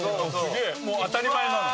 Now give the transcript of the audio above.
もう当たり前なの？